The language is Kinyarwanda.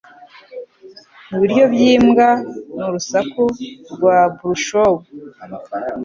mu biryo by'imbwa n'urusaku rwa brushwood